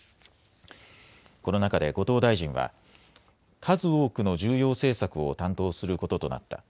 この中で後藤大臣は、数多くの重要政策を担当することとなった。